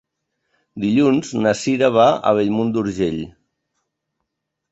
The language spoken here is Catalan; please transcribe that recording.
Dilluns na Cira va a Bellmunt d'Urgell.